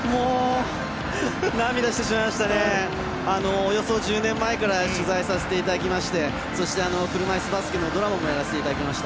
およそ１０年前から取材させていただきましてそして、車いすバスケのドラマもやらせていただきました。